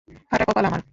ফাটা কপাল আমার!